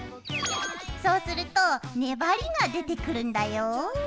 そうすると粘りが出てくるんだよ。